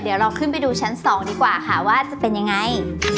เดี๋ยวเราขึ้นไปดูชั้น๒ดีกว่าค่ะว่าจะเป็นยังไง